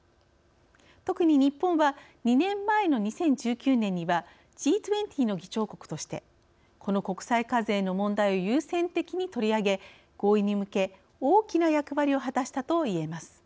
特に、日本は２年前の２０１９年にはＧ２０の議長国としてこの国際課税の問題を優先的に取り上げ、合意に向け大きな役割を果たしたといえます。